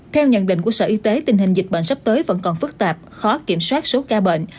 theo nhận định của sở y tế tình hình dịch bệnh sắp tới vẫn còn phức tạp khó kiểm soát số ca bệnh